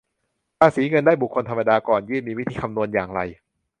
ภาษีเงินได้บุคคลธรรมดา ก่อนยื่นมีวิธีคำนวณอย่างไร